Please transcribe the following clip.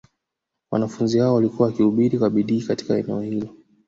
Wanafunzi hao walikuwa wakihubiri kwa bidii katika eneo hilo